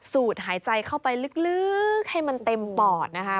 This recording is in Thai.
สูดหายใจเข้าไปลึกให้มันเต็มปอดนะคะ